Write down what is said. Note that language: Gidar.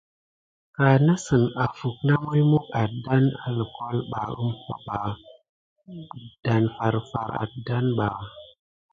Kanasick ofuck na mulmuck adane àlékloe umpay ba dan farfar adan ba.